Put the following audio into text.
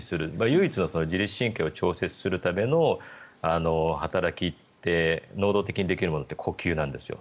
唯一の自律神経を調節するための働きって能動的にできるものって呼吸なんですよ。